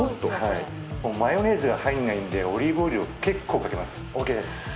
マヨネーズが入らないんでオリーブオイルを結構かけます。